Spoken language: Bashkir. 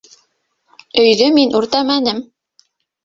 Өйҙө мин үртәмәнем.